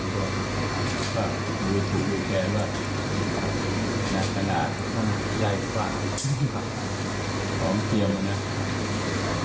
ก็ดูถูกดูแก้ว่าในขณะใหญ่กว่าของเตรียมเนี่ย